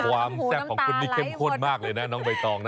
ความทรแกะของคุณนี่เข้มข้นมากเลยนะน้องใก่ตองนะ